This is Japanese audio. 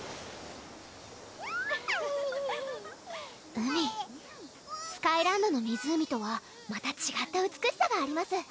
海スカイランドの湖とはまたちがった美しさがあります